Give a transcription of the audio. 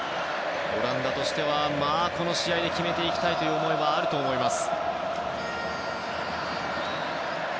オランダとしてはこの試合で決めていきたいという思いはあると思います。